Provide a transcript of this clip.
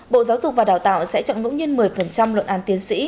bộ giáo dục và đào tạo sẽ chọn ngẫu nhiên một mươi luận án tiến sĩ